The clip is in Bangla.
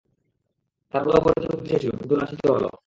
তারা গৌরব অর্জন করতে চেয়েছিল, কিন্তু লাঞ্ছিত হল।